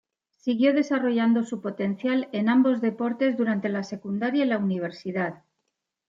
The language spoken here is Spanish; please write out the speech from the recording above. Siguió desarrollando su potencial en ambos deportes durante la secundaria y la universidad.